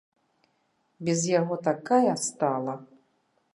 Без яго такая стала!